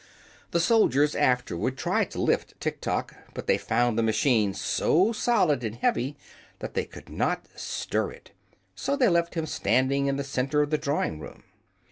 The soldiers afterward tried to lift Tiktok, but they found the machine so solid and heavy that they could not stir it. So they left him standing in the center of the drawing room.